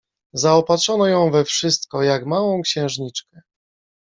Zaopatrzono ją we wszystko, jak małą księżniczkę.